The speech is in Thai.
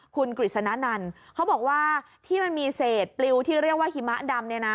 คุณกฤษณันเขาบอกว่าที่มันมีเศษปลิวที่เรียกว่าหิมะดำเนี่ยนะ